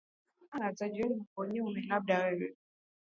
aah za jioni mambo nyome labda wewe